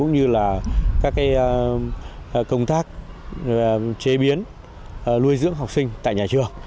như là các công tác chế biến nuôi dưỡng học sinh tại nhà trường